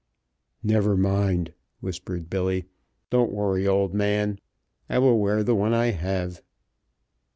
"Never mind," whispered Billy. "Don't worry, old man. I will wear the one I have."